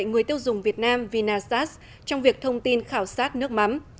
người tiêu dùng việt nam vinasas trong việc thông tin khảo sát nước mắm